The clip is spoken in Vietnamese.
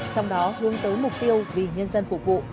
trong đó hướng tới mục tiêu vì nhân dân phục vụ